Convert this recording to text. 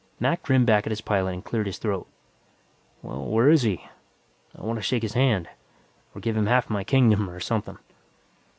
Mac grinned back at his pilot and cleared his throat. "Well, where is he? I wanta shake his hand, or give him half my kingdom, or something."